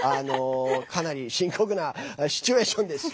かなり深刻なシチュエーションです。